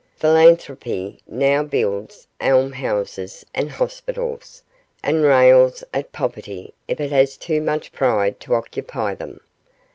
Philanthropy now builds almshouses and hospitals, and rails at poverty if it has too much pride to occupy them.